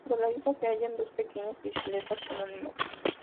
Junto a la isla se hallan dos pequeñas isletas anónimas.